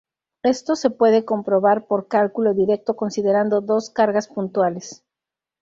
Esto se puede comprobar por cálculo directo considerando dos cargas puntuales.